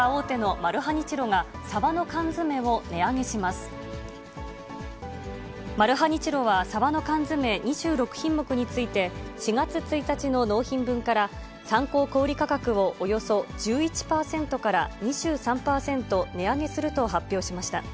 マルハニチロはサバの缶詰２６品目について、４月１日の納品分から、参考小売り価格をおよそ１１％から２３％値上げすると発表しました。